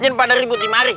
nyen pada ribu timari